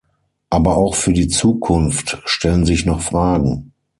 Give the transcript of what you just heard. Aber auch für die Zukunft stellen sich noch Fragen.